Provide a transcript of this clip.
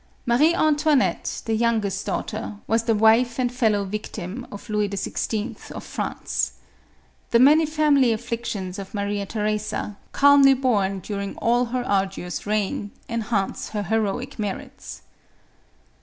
Marie Antoinette, the youngest daughter, was the wife and fellow victim of Louis XYI. of France. The many family afflictions of Maria Theresa, calmly borne during all her arduous reign, enhance her heroic merits.